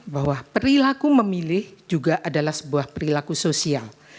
bahwa perilaku memilih juga adalah sebuah perilaku sosial